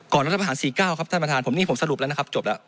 รัฐประหาร๔๙ครับท่านประธานผมนี่ผมสรุปแล้วนะครับจบแล้ว